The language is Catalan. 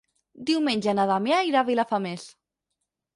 Diumenge na Damià irà a Vilafamés.